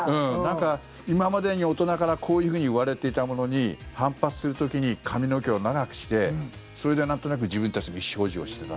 今までに大人からこういうふうに言われていたものに反発する時に髪の毛を長くしてそれでなんとなく自分たちの意思表示をしてた。